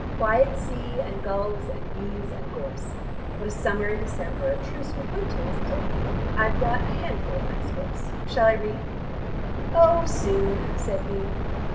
"Quiet sea and gulls, and bees and gorse. What a summer in December, a truce with winter, isn't it? I've brought a handful of nice books. Shall I read?" "Oh, soon," said he.